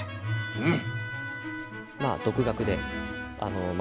うん。